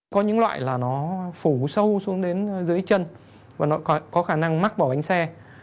có những loại là nó phủ sâu xuống đến dưới chân và nó có khả năng mắc bỏ bánh xe